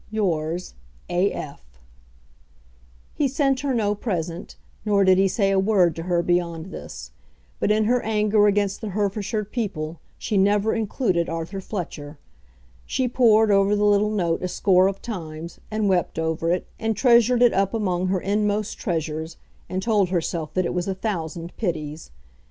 Yours, A. F. He sent her no present, nor did he say a word to her beyond this; but in her anger against the Herefordshire people she never included Arthur Fletcher. She pored over the little note a score of times, and wept over it, and treasured it up among her inmost treasures, and told herself that it was a thousand pities.